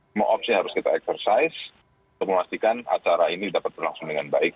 semua opsi harus kita exercise untuk memastikan acara ini dapat berlangsung dengan baik